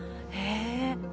へえ。